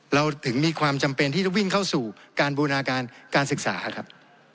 เราถึงมีความจำเป็นที่จะวิ่งเข้าสู่การบูรณาการการศึกษาครับ